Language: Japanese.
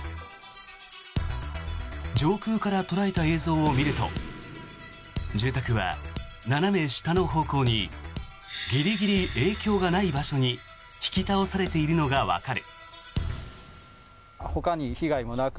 上空から捉えた映像を見ると住宅は斜め下の方向にギリギリ影響がない場所に引き倒されているのがわかる。